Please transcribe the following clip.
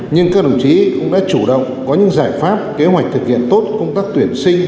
nhưng các đồng chí cũng đã chủ động có những giải pháp kế hoạch thực hiện tốt công tác tuyển sinh